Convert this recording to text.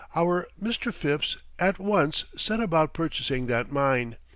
Our Mr. Phipps at once set about purchasing that mine.